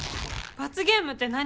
罰ゲームって何？